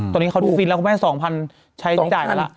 ตอนนี้เขาดูฟินแล้วคุณแม่๒๐๐๐ใช้จ่ายมาแล้ว